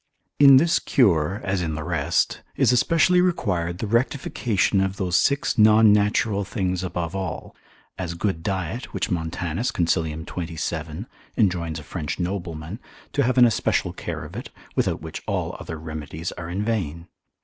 In this cure, as in the rest, is especially required the rectification of those six non natural things above all, as good diet, which Montanus, consil. 27. enjoins a French nobleman, to have an especial care of it, without which all other remedies are in vain.